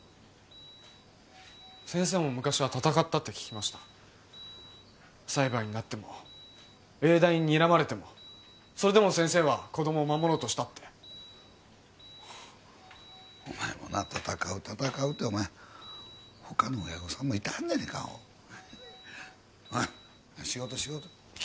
先生も昔は戦ったと聞きました裁判になっても永大ににらまれてもそれでも先生は子どもを守ろうとしたってお前もな戦う戦うってほかの親ごさんもいてはるんやでアホほら仕事仕事行け！